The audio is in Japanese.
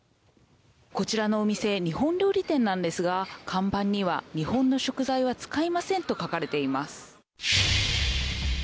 こちらのお店、日本料理店なんですが、看板には日本の食材は使いませんと書かれています。